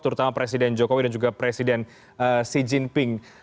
terutama presiden jokowi dan juga presiden xi jinping